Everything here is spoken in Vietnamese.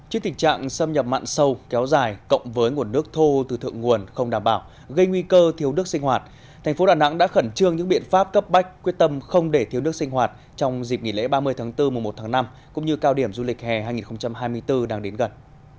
trên tình trạng xâm nhập mặn sâu kéo dài cộng với nguồn nước thô từ thượng nguồn không đảm bảo gây nguy cơ thiếu nước sinh hoạt thành phố đà nẵng đã khẩn trương những biện pháp cấp bách quyết tâm không để thiếu nước sinh hoạt trong dịp nghỉ lễ ba mươi tháng bốn mùa một tháng năm cũng như cao điểm du lịch hè hai nghìn hai mươi bốn đang đến gần